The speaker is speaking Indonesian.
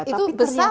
tapi itu besar